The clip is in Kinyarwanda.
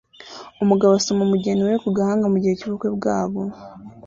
Umugabo asoma umugeni we ku gahanga mugihe cyubukwe bwabo